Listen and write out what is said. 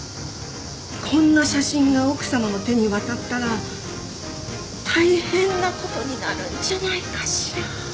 こんな写真が奥さまの手に渡ったら大変なことになるんじゃないかしら。